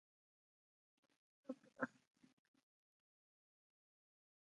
Mari kita pertahankan pernikahan kita.